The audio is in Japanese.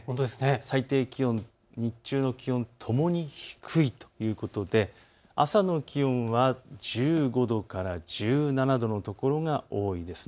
最低気温、日中の気温ともに低い。ということで朝の気温は１５度から１７度の所が多いんです。